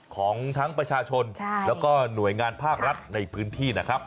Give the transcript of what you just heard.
ของทั้งประชาชนแล้วก็หน่วยงานภาครัฐในพื้นที่นะครับ